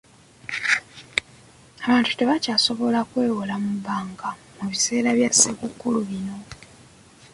Abantu tebakyasobola kwewola mu banka mu biseera ebya ssekukkulu bino.